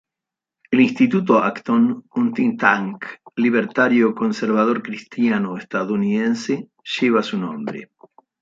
El Instituto Acton, un think tank libertario conservador cristiano estadounidense, lleva su nombre.